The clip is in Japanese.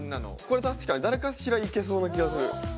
これ確かに誰かしらいけそうな気がする。